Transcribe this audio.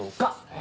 え？